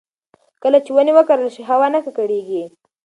کله چې ونې وکرل شي، هوا نه ککړېږي.